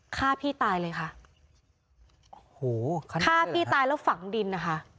จะรักพี่ชายมากกว่าฆ่าพี่ตายเลยค่ะโอ้โหฆ่าพี่ตายแล้วฝังดินนะคะ